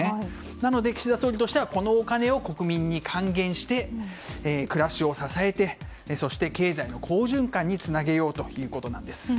なので、岸田総理としてはこのお金を国民に還元して暮らしを支えて、そして経済の好循環につなげようということなんです。